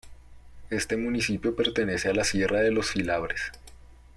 Este municipio pertenece a la Sierra de los Filabres.